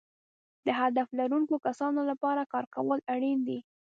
د هدف لرونکو کسانو لپاره کار کول اړین دي.